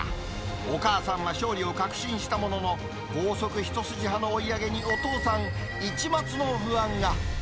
お母さんは勝利を確信したものの、高速一筋派の追い上げにお父さん、一抹の不安が。